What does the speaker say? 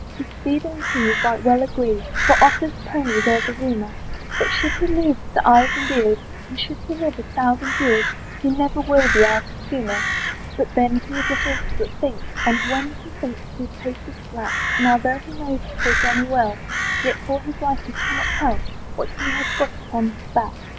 His steed and he right well agree, For of this pony there's a rumour, That should he lose his eyes and ears, And should he live a thousand years, He never will be out of humour. But then he is a horse that thinks! And when he thinks his pace is slack; Now, though he knows poor Johnny well, Yet for his life he cannot tell What he has got upon his back.